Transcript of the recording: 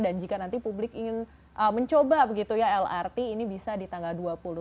dan jika nanti publik ingin mencoba begitu ya lrt ini bisa di tanggal dua puluh tujuh